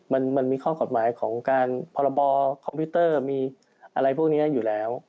มันมีข้อกฎหมายของการพรบคอมพิวเตอร์มีอะไรพวกนี้อยู่แล้ว